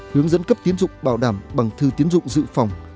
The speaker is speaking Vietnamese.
hướng dẫn cấp tiến dụng bảo đảm bằng thư tiến dụng dự phòng